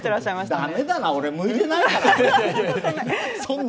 駄目だな、俺向いてないかな。